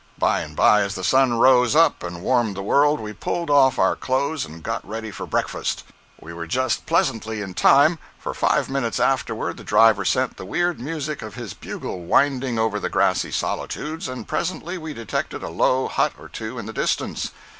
By and by, as the sun rose up and warmed the world, we pulled off our clothes and got ready for breakfast. We were just pleasantly in time, for five minutes afterward the driver sent the weird music of his bugle winding over the grassy solitudes, and presently we detected a low hut or two in the distance.